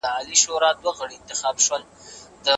پوهه د پوهانو په صحبت کې پیدا کیږي.